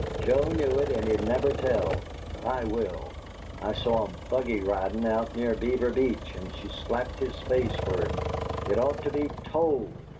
Joe knew it and he'd never tell, but I will. I saw 'em buggy ridin' out near Beaver Beach and she slapped his face fer him. It ought to be TOLD!"